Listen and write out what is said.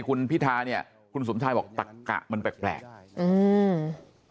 คุณพิธาเนี่ยคุณสุมทรายบอกตักศักดิ์มันแปลกอยู่